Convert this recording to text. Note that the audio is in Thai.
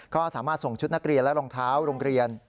ก็สามารถส่งชุดนักเรียนและรองเท้าโรงเรียน